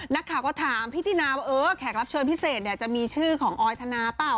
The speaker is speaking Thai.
นักข่าวก็ถามพี่ตินาว่าเออแขกรับเชิญพิเศษเนี่ยจะมีชื่อของออยธนาเปล่า